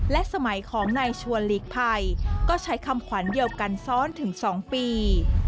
และสมัยของนายชวนหลีกภัยก็ใช้คำขวัญเดียวกันซ้อนถึง๒ปี